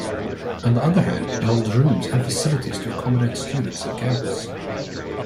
On the other hand it holds rooms and facilities to accommodate students in campus.